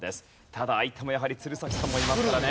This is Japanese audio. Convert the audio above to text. ただ相手もやはり鶴崎さんもいますからね。